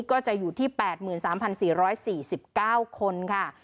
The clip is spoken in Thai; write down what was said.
ก็จะอยู่ที่๘๓๔๔๙คนค่ะ